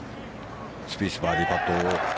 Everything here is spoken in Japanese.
スピース、バーディーパット。